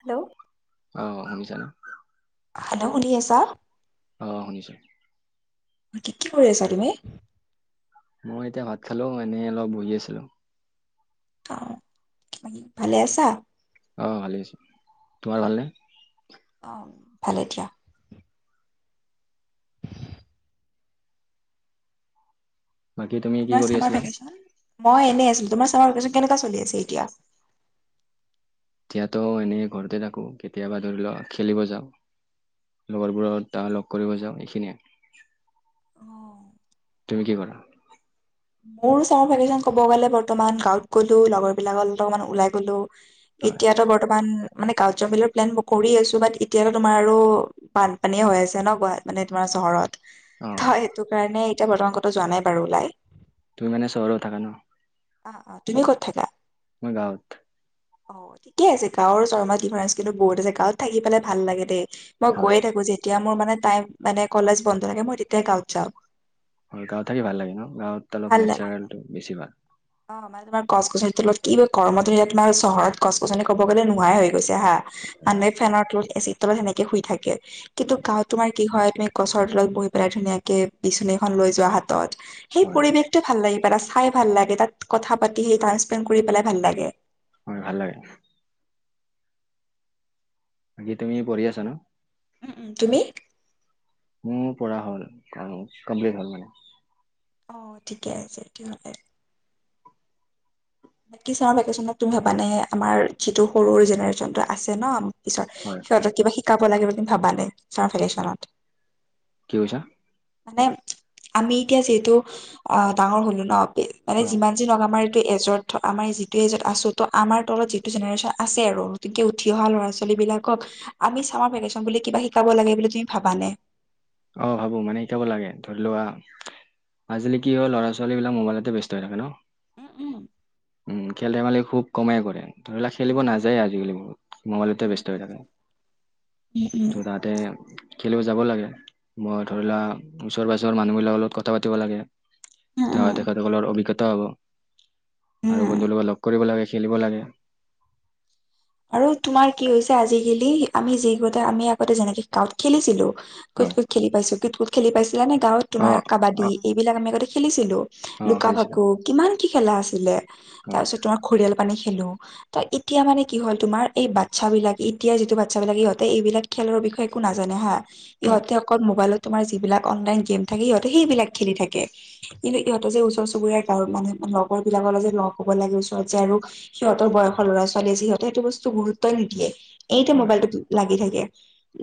Hello অ শুনিছা নে? হেল্ল', শুনি আছা? অ, শুনিছো, কি-কি কৰি আছা তুমি? মই এতিয়া ভাত খালো, মানে অলপ বহি আছিলো। অ, [unintelligible] ভালে আছা? অ, ভালে আছো। তোমাৰ ভালনে? অ, ভালে দিয়া। বাকী তুমি কি তোমাৰ কৰি চামাৰ আছিলা? ভেকেচন, মই এনেই আছো। তোমাৰ চামাৰ ভেকেচন কেনেকা চলি আছে এতিয়া? এতিয়াতো এনে ঘৰতে থাকোঁ। কেতিয়াবা ধৰি লও খেলিব যাওঁ। লগৰবোৰৰ দুটামান লগ কৰিব যাওঁ, এইখিনিয়ে। অ তুমি কি কৰা? মোৰ চামাৰভাগেচন ক'ব গ'লে বৰ্তমান গাঁৱত গ'লো, লগৰ বিলাকত অকমান ওলাই গ'লো। হয় এতিয়াতো বৰ্তমান মানে কাউজ বিলৰ প্লেন কৰি আছো, বাত এতিয়াতো তোমাৰ আৰু বানপানীয়ে হৈ আছে ন গুৱা মানে তোমাৰ চহৰত। অ', হয় সেইটো কাৰণে এতিয়া বৰ্তমান কথা যোৱা নাই বাৰু ওলাই। তুমি মানে চহৰত থাকা ন? অ অ তুমি ক'ত থাকা? মই গাঁৱত। অ ঠিকে আছে গাঁৱৰ চৰ্মাটি ভৰা স্কিলটোত বহুত আছে, গাঁৱত থাকি পেলাই ভাল লাগে দেই। মই হয়, গৈয়ে থাকো যেতিয়া মোৰ মানে টাইপ, মানে কলেজ বন্ধ থাকে মই তেতিয়াই গাঁৱত যাওঁ। হয় গাঁৱত থাকি ভাল লাগে ন, গাঁৱত অলপ ভাল লাগে নেচাৰেলটো বেছি ভাল। অ। তোমাৰ গছ-গছনিৰ তলত কি কৰ্ম তনিয়াত মই চহৰত গছ-গছনি ক'ব গলে নোহাই হৈ গৈছে হা। মানে ফেনৰ তলত, এচিৰ তলত সেনেকে শুই থাকে। কিন্তু গাঁৱত তোমাৰ কি হয়, তুমি গছৰ তলত বহি পেলাই ধুনীয়াকে বিচনী এখন লৈ যোৱা হাতত সেই হয়, পৰিৱেশটো ভাল লাগি পেলাই, চাই ভাল লাগে, তাত কথা পাতি সেই টাইম স্পেণ্ড কৰি পেলাই ভাল লাগে। হয় ভাল লাগে। বাকী তুমি পঢ়ি আছা ন? উম উম। তুমি? উ পৰা হ'ল, কমপ্লিট হ'ল মানে। অ ঠিকে আছে তিহলে। বাকী চামাৰ ভেকেচনত তুমি ভবা নে, আমাৰ যিটো সৰুৰ জেনেৰেশ্যনটো আছে ন। পিছত হয়, সিহঁতক কিবা শিকাব লাগে বুলি ভাবা নে চামাৰ ভেকেচনত? কি কৈছা? মানে আমি এতিয়া যিহেতু অ ডাঙৰ হলো ন বে মানে অ', যিমান যি লওক আমাৰ এইটো এজৰ আমাৰ যিটো এজত আছো, তো আমাৰ তলত যিটো জেনেৰেশ্যন আছে আৰু গতিকে উঠি অহা ল'ৰা ছোৱালীবিলাকক আমি চামাৰ ভেকেচন বুলি কিবা শিকাব লাগে বুলি তুমি ভাবানে? অ ভাবো মানে শিকাব লাগে, ধৰি লোৱা আজিলি কি হয়', ল'ৰা ছোৱালীবিলাক মোবলতে ব্যস্ত হৈ থাকে ন? উম উম। উম খেল ধেমালি খুব কমাই কৰে। ধৰি লা খেলিব উম নাযায় আজিকালি বহুত, মোবাইলতে উম ব্যস্ত হৈ থাকে। উম উম ত তাত তে খেলিব যাব লাগে। মই ধৰি লোৱা ওচৰ-পাজৰৰ মানুহবিলাকৰ লগত কথা পাতিব লাগে। উম উম তা উম তেখেত লোকৰ অভিজ্ঞতা হব। আৰু উম বন্ধু লগক লগ কৰিব লাগে, খেলিব লাগে। আৰু তোমাৰ কি হৈছে আজিকালি আমি যিগতে আমি আগতে যেনেকে গাঁওত খেলিছিলোঁ কুত হয় কুত খেলি পাইছো কুত কুত খেলি পাইছিলানে গাঁৱত অ তোমাৰ অ কাবাডী এইবিলাক আমি আগতে খেলিছিলো। অ লুকা খেলিছিলো ভাকু কিমান কি খেলা আছিলে হয় তাৰপিছত তোমাৰ। ঘৰিয়াল পানী খেলো, ত এতিয়া মানে কি হ'ল তোমাৰ, এই বাচ্ছাব বিলাকে এতিয়া যিটো বাচ্ছাবিলাক, ইহঁতে এইবিলাক খেলৰ বিষয়ে একো নাজানে হা। হয় ইহঁতে অকল মোবাইলত তোমাৰ যিবিলাক অনলাইন গেম থাকে সিহঁতে সেইবিলাক খেলি থাকে। কিন্ত ইহঁত যে ওচৰ চুবুৰীয়াৰ গাঁও মানুহে মানে লগৰ বিলাকৰ যে লগ হ'ব লাগে ওচৰত যে আৰু সিহঁতৰ বয়সৰ ল'ৰা ছোৱালীয়ে যে সিহঁতে সেইটো বস্তু গুৰুত্বই নিদিয়ে, এইতে হয় মোবাইলটোত লাগি থাকে।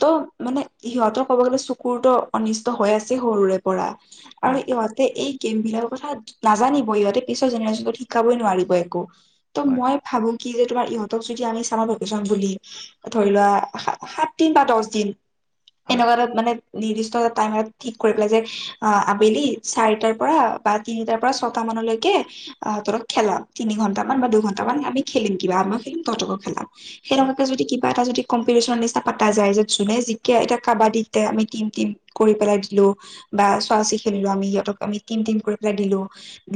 ত' মানে সিহঁতৰ ক'ব গ'লে চুকুৰটো অনিষ্ট হৈ আছে সৰুৰে পৰা। আৰু হয় ইহঁত, এই গেম বিলাকৰ কথা নাজানিব ইহঁতে পিছৰ জেনেৰেশ্যনতো শিকাবই নোৱাৰিব একো। ত হয় মই ভাবো কি যে তোমাৰ ইহঁত, যদি আমি চামাৰ ভেকচন বুলি ধৰি লোৱা সাত দিন বা দহ দিন। হয় এনেকুৱা এটাত মানে। নিৰ্দিষ্ট এ টাইম এটা ঠিক কৰি পেলাই যে আবেলি চাৰিটাৰ পৰা বা, তিনিটাৰ পৰা ছটা মানলৈকে। আহঁতৰক খেলা তিনি ঘন্টামান বা দুঘন্টামান আমি খেলিম কিবা আমাৰ খেলিম, তহতকো খেলাম হয় সেইসময়তে যদি কিবা এটা যদি। কম্পিটিশনৰ নিচিনা পতা যায় যে যোনে যিকে এতিয়া কাবাডীতে আমি টিম টিম কৰি পেলাই দিলো। বা চোৱা চি খেলিলো আমি সিহঁতক আমি টিম টিম কৰি পেলাই দিলো।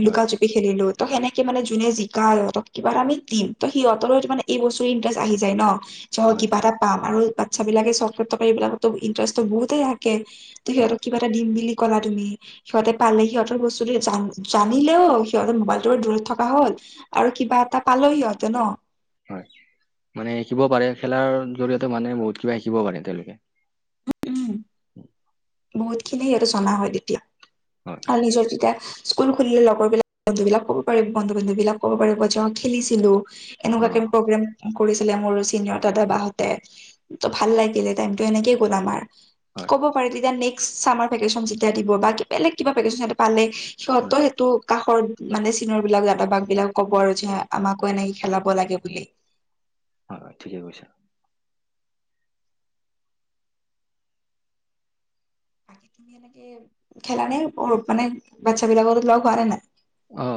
হয় লুকা জুপি খেলিলো ত সেনেকে মানে যোনে জিকা‌ আৰু সিহঁত কিবা আমি দিম ত সিহঁতৰ মানে, এই বস্তুৰে ইণ্টাৰেষ্ট আহি যায় ন চ হয় কিবা এটা, পাম আৰু বাচ্ছ বিলাকে চকলেট টকলেট এই বিলাকতো ইন্টাৰেষ্ট বহুই থাকে ত হয় সিহঁত, কিবা এটা দিম বুলি ক'লা তুমি। সিহঁতে পালে সিহঁতৰ বস্তুটো জানিলেও সিহঁতৰ মোবাইলটো দূৰত থকা হল। আৰু কিবা এটা পালেও সিহঁতে ন। হয় মানে শিকিব পাৰে খেলাৰ জৰিয়তে মানে বহুত কিবা শিকিব পাৰে তেওঁলোকে। উম উম, বহুত খিনি আৰু জনা হয় তেতিয়া হয় আৰু নিজৰ যেতিয়া, স্কুল খুলিলে লগৰ বিলাক বন্ধু বিলাক ক'ব পাৰিব বন্ধু বান্ধবিলাক ক'ব পাৰিব যে খেলিছিলো। অ এনেকুৱাকে প্ৰগ্ৰাম, কৰিছিলে মোৰ চিনিয়ৰ দাদা বাহঁতে ত ভাল লাগিলে টাইমতটো এনেকেই গ'ল আমাৰ। ক'ব হয় পাৰে তেতিয়া নেক্সট চামাৰ ভেকেশ্যচন যেতিয়া দিব বা বেলেগ কিবা ভেকেশ্যচন পালে। সিহত সেইটো কা ঘৰত মানে চিনিয়ৰ বিলাক দাদাবাগ বিলাক ক'ব আৰু যে আমাকো এনেকে খেলাব লাগে বুলি। হয় হয় ঠিকে কৈছা। সেনেকে খেলা নে মানে বাচ্ছা বিলাক লগ হোৱা নে নাই। অ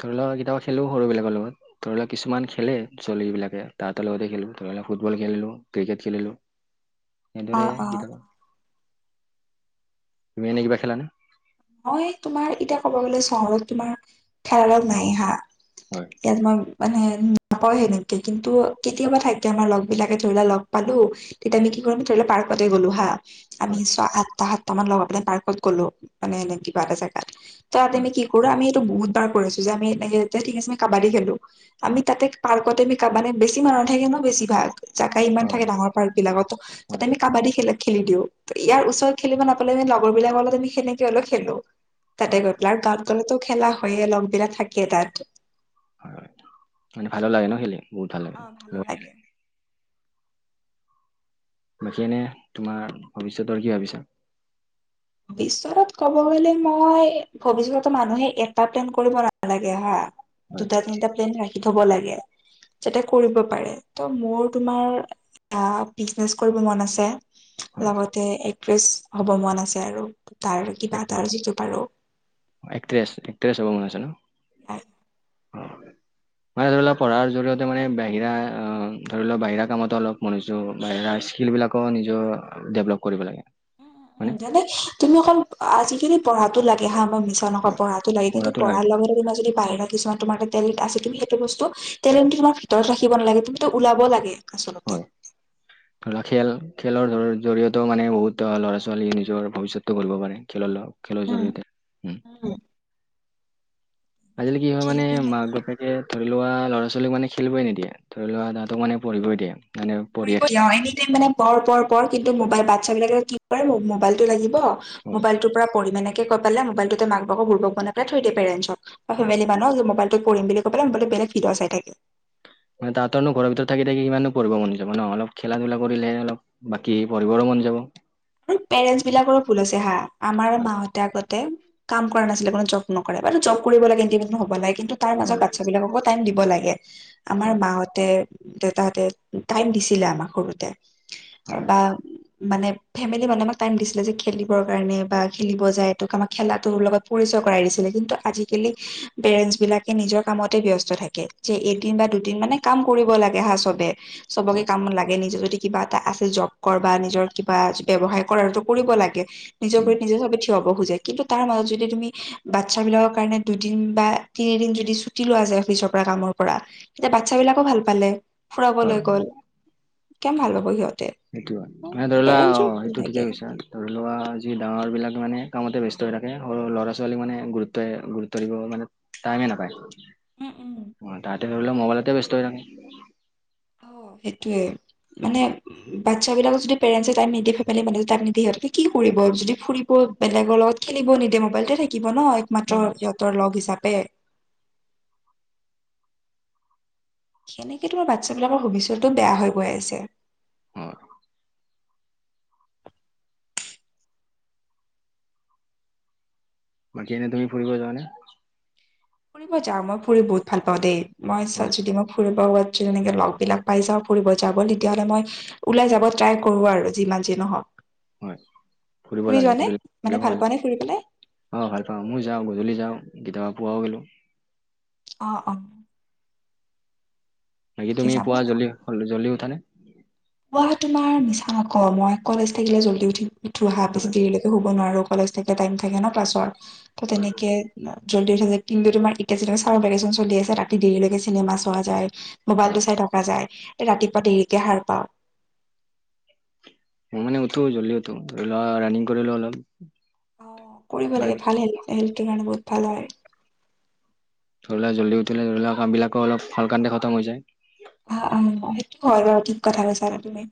ধৰি লোৱা কেতিয়াবা খেলো সৰুবিলাকৰ লগত, ধৰি লওক কিছুমান খেলে ছোৱালীবিলাকে তাহাঁতৰ লগতে খেলো ধৰি লক ফুটবল খেলিলো ক্ৰিকেট খেলিলো। [inaudible] এনেদৰে অ', অ', কেতিয়াবা। তুমি এনেই কিবা খেলানে। মই তোমাৰ এতিয়া ক'ব গ'লে চহৰত তোমাৰ খেলা লগ নাই হা, হয় এয়াত মই, মানে নাপাওঁ সেনেকে কিন্তু কেতিয়াবা থাকে আমাৰ লগ বিলাকে ধৰিল লোৱা লগ পালো। তেতিয়া আমি কি কৰো ধৰিলো পাৰ্কতে গলো হা, আমি হয় চোৱা আঠটা সাতটা মান লগ হৈপেলে পাৰ্কত গলো মানে এ কিবা এটা জাগাত তাত হয় আমি কি। সৰু আমি এইটো বহুত বাৰ কৰি আছো যে আমি এনে ঠিক আছে কাবাডী খেলো। আমি তাতে পাৰ্কতে মানে বেছি মানুহ নথাকে ন বেছিভাগ, জাগা ইমান হয় থাকে ডাঙৰ পাৰ্ক বিলাকতো হয় তাতে আমি কাবাডী খেলে, খেলি দিও ইয়াৰ ওচৰত খেলিব নাপালে লগৰ বিলাকৰ লগত আমি সেনেকে হলো খেলো। হয়। তাতে গৈপেলাই আৰু গাঁৱত গলেতো খেলা হয়ে লগ বিলাক থাকেই তাত। হয় মানে ভালো লাগে ন খেলি বহুত ভাল লাগে। অ, ভালো লাগে। বাকী এনে তোমাৰ ভৱিষ্যত আৰু কি ভাবিছা। [unintelligible] ক'ব গলে মই ভৱিষ্যতত মানুহে এটা প্লেন কৰিব নালাগে হা হয় দুটা, তিনিটা প্লেন ৰাখি থ'ব লাগে। যাতে কৰিব পাৰে ত' মোৰ তোমাৰ আ, বিজনেচ কৰিব মন আছে। হয়। লগতে একট্ৰেছ হ'ব মন আছে আৰু তাৰ কিবা এটাৰ যিটো পাৰো। অ', এক্ট্ৰেছ -এক্ট্ৰেছ হ'ব মন আছে ন'? হয়। [inaudible] মানে ধৰি লোৱা পঢ়াৰ জৰিয়তে মানে বাহিৰা অ, ধৰি লোৱা বাহিৰা কামতো অলপ মনুযো বাহিৰা স্কিল বিলাক ক ' নিজৰ দেভলপ কৰিব লাগে। হয়নে? যেনে তুমি অকল আজিকালি পঢ়াতো লাগে হা মই মিছা তেনেকুৱা হয়, পঢ়াতো লাগে কিন্তু পঢ়াৰ লগে - লগে মই যদি বাহিৰা কিছুমান তোমাৰ তাত টেলেণ্ট আছে তুমি সেইটো বস্তু টেলেণ্টটো তোমাৰ ভিতৰত ৰাখিব নালাগে তুমিটো ওলাব লাগে। আচলতে। হয়। ধৰি লোৱা খেল -খেলৰ জৰিয়তেও মানে বহুত ল'ৰা -ছোৱালীয়ে নিজৰ ভৱিষ্যতটো গঢ়িব পাৰে। খেলৰ ল' খেলৰ জৰিয়তে উম। আজিকালি কি হয় মানে খেলিব লাগে। মাক বাপেক কে ধৰি লোৱা ল'ৰা- ছোৱালীক মানে খেলিবই নিদিয়ে ধৰি লোৱা তাহাঁতক মানে পঢ়িবই দিয়ে। মানে পঢ়িয়ে ফুৰিব থাকা দিয়ে এনি টাইম মানে পঢ়- পঢ়- পঢ় কিন্তু মোবাইল বাচ্ছা বিলাকে কি কৰে মোবাইলটো লাগিব হয় মোবাইলটো পৰা পঢ়িম এনেকে কৈ পেলে মোবাইলটোতে মাকক বাপেকক বুৰ্বক বনাই থৈ দিয়ে পেৰেনচত। বা ফেমিলি মানুহক মোবাইলটোত পঢ়িম বুলি কৈ পেলাই বেলেগ ভিদিঅ চাই থাকে। মানে তাঁহতৰনো ঘৰৰ ভিতৰত থাকি - থাকি ইমাননো পঢ়িব মন যাব ন' অলপ খেলা ধূলা কৰিলেহে অলপ বাকী পঢ়িবৰো মন যাব। উম, পেৰেণ্টছ বিলাকৰো ভুল আছে হা আমাৰ হয় মাহঁতে আগতে কাম কৰা নাছিলে কোনো জব নকৰে [unintelligible] জব কৰিব লাগে ইণ্টি [unintelligible] হ'ব লাগে কিন্তু তাৰ মাজত হয় বাচ্ছা বিলাককো টাইম দিব লাগে আমাৰ মাহত হতে দেউতাহতে টাইম দিছিলে আমাক সৰুতে হয় বা মানে ফেমিলি মানুহ আমাক টাইম দিছিলে যে খেলিবৰ কাৰণে বা খেলিব যায় তোক আমাক খেলাটোৰ লগত পৰিচয় কৰাই দিছিলে কিন্তু আজিকালি পেৰেণ্টছ বিলাকে নিজৰ কামতে ব্যস্ত থাকে। যে এদিন বা দুদিন মানে কাম কৰিব লাগে হা চবে চবকে হয় কামত লাগে নিজে যদি কিবা এটা আছে জব কৰ বা নিজৰ কিবা ব্যৱসায় কৰাতো কৰিব লাগে নিজৰ উম ভৰিত নিজে চবে থিয় হব খোজে কিন্তু তাৰ মাজত যদি তুমি বাচ্ছা বিলাকৰ কাৰণে দুদিন বা তিনিদিন যদি ছুটি লোৱা যায় অফিচৰ পৰা কামৰ পৰা তেতিয়া বাচ্ছা বিলাকো ভাল পালে। ফুৰাব হয় লৈ গ'ল কেম ভাল পাব সিহঁতে উম পেৰেণ্টছো তো ঠিকে কৈছা। ধৰি লোৱা যি ডাঙৰ বিলাক মানে কামতে ব্যস্ত হৈ থাকে সৰু- সৰু ল'ৰা -ছোৱালীক মানে গুৰুত্বই গৰু ত্ব দিব মানে টাইমে নাপায়। উম, উম, তেনেহ'লে মবাইলতে ব্যস্ত হৈ থাকে। অহ, সেইটোৱে মানে বাচ্ছা বিলাকক যদি পেৰেণ্টছে টাইম নিদিয়ে [unintelligible] কি কৰিব যদি ফুৰিব বেলেগৰ লগত খেলিব নিদিয়ে মোবাইলতে থাকিব ন' একমাত্ৰ হয় ইহঁতৰ লগ হিচাপে। সেনেকে তোমাৰ বাচ্ছা বিলাকৰ ভৱিষ্যটো বেয়া হৈ গৈ আছে। [unintelligible] বাকী এনে তুমি ফুৰিব যুৱানে? ফুৰিব যাওঁ মই ফুৰি বহুত ভাল পাওঁ দে মই হয় যদি মই ফুৰিব কবাত যিও এনেকে লগবিলাক পাই যাওঁ ফুৰিব যাব তেতিয়াহ'লে মই ওলাই যাব ট্ৰাই কৰো আৰু যিমান যি নহ'ক। হয় ফুৰিব লাগে ফুৰি মানে ভাল [unintelligible] পোৱা নে ফুৰি পেলাই? অ'! ভাল পাওঁ। মই যাওঁ, গধূলি যাওঁ। কেতিয়াবা, পুৱাও গলোঁ। অ', অ', বাকী, কি তুমি যাব পুৱা জল্দি, জল্দি উঠানে? মই তোমাৰ মিছা নকৌ, মই কলেজ থাকিলে জল্দি উঠি, উঠো হা! বেছি হয় দেৰিলেকে শুব নোৱাৰোঁ। কলেজ থাকে, টাইম থাকে ন'! ক্লাছৰ। ত' হয় তেনেকে জল্দি উঠা যে? কিন্তু, তোমাৰ এতিয়া, যেতিয়া চাওঁ [unintelligible] চলি আছে। ৰাতি দেৰিলৈকে চিনেমা চোৱা যায়। হয় মোবাইলটো চাই থকা যায়। এ, ৰাতিপুৱা দেৰিকে সাৰ পাওঁ। মই মানে, উঠো, জল্ডি উঠো। ধৰি লোৱা ৰানিং কৰিলোঁ অলপ। অ'! কৰিব মানে লাগে, ভাল হেল্থ, হেল্থটোৰ কাৰণে বহুত ভাল হয়। ধৰি লোৱা, জল্ডি উঠিলে ধৰি লোৱা, কামবিলাকো অলপ [unintelligible] খটম হৈ যায়। অ' অ'! সেইটো হয় বাৰু। ঠিক কথা কৈছা তুমি।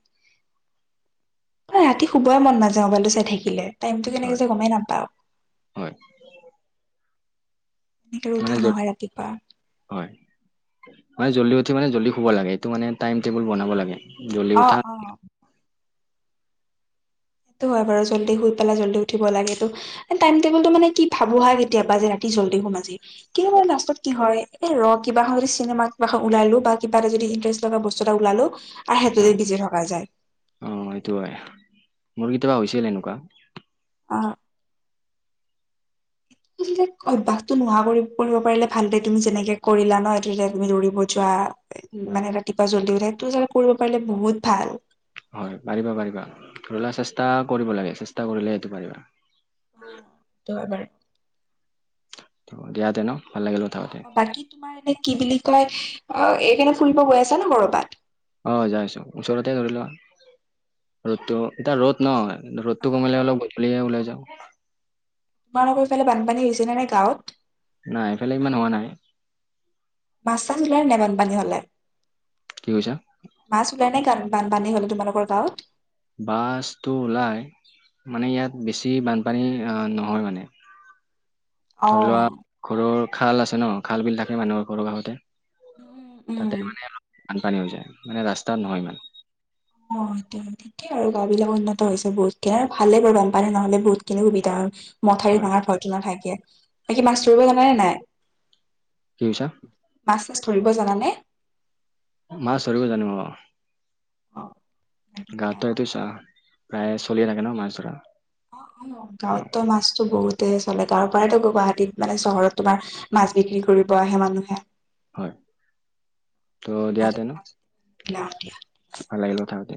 এ, ৰাতি শুবই মন নাজায়, মোবাইলটো চাই থাকিলে। টাইমটো কেনেকে হয় যায়, গমে নাপাওঁ। হয়! এনেকে মানে উঠা জল- নহয় ৰাতিপুৱা। হয়! মানে, জল্দি উঠি মানে, জল্দি শুব লাগে। এইটো মানে, টাইম -টেবুল বনাব লাগে। জল্দি অ উঠা। অ সেইটো হয় বাৰু। জল্দি শুই পেলাই, জল্দি উঠিব লাগেতো। টাইম -টেবুলটো মানে, কি? ভাবোঁ হা! কেতিয়াবা, যে ৰাতি জল্দি শুম আাজি! কি হয়, লাষ্টত কি হয়! এ, ৰ' কিবা এখন যদি চিনেমা, কিবা এখন ওলালোঁ বা কিবা এটা যদি ইন্টেৰেষ্ট থকা বস্তু এটা ওলালোঁ আৰু সেইটোতে বিজি থকা যায়। অ'! সেইটো হয়। মোৰ কেতিয়াবা, হৈছিল এনেকুৱা। অ'! অভ্যাসটো নোহোৱা [unintelligible] নোহোৱা কৰিব পাৰিলে ভাল দে। তুমি, যেনেকে কৰিলা ন'? এইটো, এতিয়া তুমি দৌৰিব যোৱা। মানে, ৰাতিপুৱা জল্দি উঠা, সেইটো হিচাপত কৰিব পাৰিলে বহুত ভাল! হয়! পাৰিবা, পাৰিবা। ধৰি লোৱা, চেষ্টা কৰিব লাগে, চেষ্টা কৰিলে সেইটো পাৰিবা। [unintelligible] দিয়াতে ন', ভাল লাগিল কথা পাতি! অ'! বাকী তোমাৰ এনে, কি বুলি কয়! অ'! এইপিনে ফুৰিব গৈ আছা ন' কৰবাত? অ'! যাই আছোঁ। ওচৰতে ধৰি লোৱা, ৰ'দটো এতিয়া, ৰ'দ ন'! অ 'ৰদটো অ কমিলে অলপ গধূলিয়ে ওলাই যাওঁ। তোমালোকৰ সেইফালে বানপানী হৈছে নে গাঁৱত? নাই, এইফালে ইমান হোৱা নাই। মাছ- চাছ ওলাই নাই বানপানী হ'লে? কি কৈছা? মাছ ওলাই নাই, বানপানী হ'লে তোমালোক গাঁৱত? মাছটো ওলাই। মানে, ইয়াত বেছি বানপানী নহয় মানে। [inaudible] ধৰি লোৱা, ঘৰৰ খাল আছে ন'! খাল- বিল থাকে, মানুহৰ ঘৰৰ কাষতে। উম উম তাতে মানে, অলপ বানপানী হৈ যায়। মানে, ৰাস্তাত নহয় ইমান। অ'! [unintelligible] [unintelligible] আৰু গাওঁ বিলাকত উন্নতি হৈছে বহুত। [unintelligible] ভালে বাৰু, বানপানী নহ'লে বহুত খিনি সুবিধা হয়। মথাউৰি হয় কি ভাঙাৰ ভয়টো নাথাকে। বাকী, মাছ ধৰিব জানা নে নাই? কি কৈছা? মাছ-চাছ ধৰিব জানানে? মাছ ধৰিব জানোঁ। অ'! অ বাকী দিয়া গাঁৱত ত' তে। এইটো চা প্ৰায়ে চলিয়ে থাকে ন'! মাছ ধৰা। অ গাঁৱত ত' মাছতো বহুত! চলে। গাঁৱৰ পৰাইতো গৈ গুৱাহাটীত মানে, চহৰত তোমাৰ, মাছ বিক্ৰী কৰিব আহে মানুহে। হয়! ত' দিয়াতে ন'? লা দিয়া। ভাল লাগিল কথা পাতি।